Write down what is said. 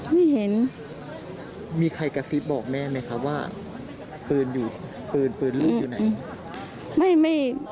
ไม่เห็นมีใครกระซิบบอกแม่ไหมครับว่าปืนอยู่ปืนปืนลูกอยู่ไหน